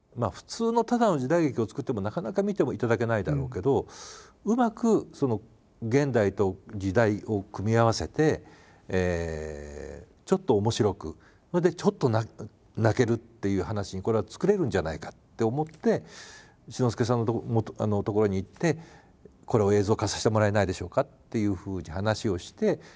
普通のただの時代劇を作ってもなかなか見てはいただけないだろうけどうまく現代と時代を組み合わせてちょっと面白くそれでちょっと泣けるっていう話にこれは作れるんじゃないかって思って志の輔さんのところに行ってこれを映像化させてもらえないでしょうかっていうふうに話をして。